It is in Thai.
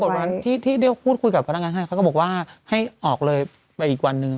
วันที่ได้พูดคุยกับพนักงานให้เขาก็บอกว่าให้ออกเลยไปอีกวันหนึ่ง